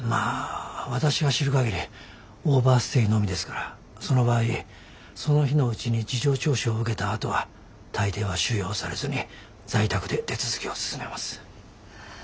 私が知る限りオーバーステイのみですからその場合その日のうちに事情聴取を受けたあとは大抵は収容されずに在宅で手続きを進めます。